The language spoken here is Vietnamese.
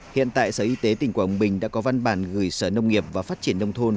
hiện tại sở y tế tỉnh quảng bình đã có văn bản gửi sở nông nghiệp và phát triển nông thôn